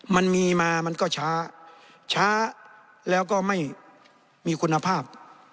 มันมีมามันก็ช้าช้าแล้วก็ไม่มีคุณภาพ